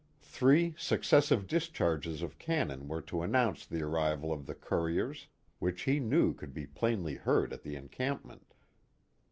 Three successive discharges of cannon were to announce the arrival of the couriers, which he knew could be plainly heard at the encampment.